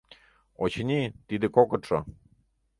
Очыни, тиде кокытшо